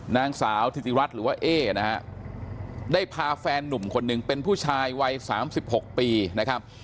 นางสาวธิติรัฐหรือว่าเอ๊นะฮะได้พาแฟนนุ่มคนหนึ่งเป็นผู้ชายวัย๓๖ปีนะครับ